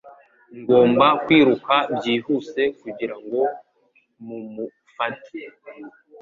Ngomba kwiruka byihuse kugirango mumufate.